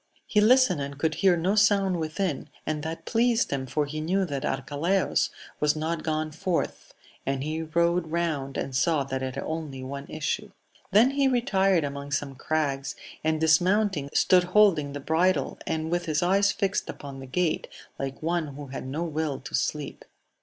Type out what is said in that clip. He listened and could hear no sound within, and that pleased him, for he knew that Arcalaus was not gone forth ; and he rode round, and saw that it had only one issue. Then he retired among some crags, and, dismounting, stood holding the bridle, and with his eyes fixed upon the gate, like one who had no will to sleep.